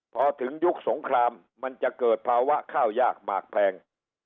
พอถึงยุคสงครามมันจะเกิดภาวะข้าวยากหมากแพง